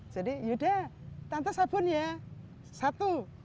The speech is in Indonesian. jadi yuda tante sabun ya satu